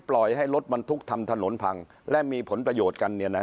ปล่อยให้รถบรรทุกทำถนนพังและมีผลประโยชน์กัน